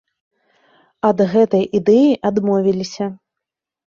Ад гэтай ідэі адмовіліся.